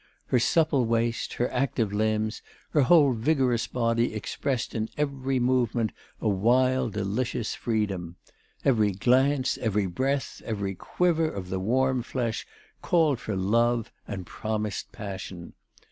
Her supple waist, her active limbs, her whole vigorous body expressed in every movement a wild, delicious freedom. Every glance, every breath, every quiver of the warm flesh called for love and promised passion.